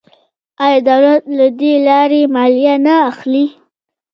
آیا دولت له دې لارې مالیه نه اخلي؟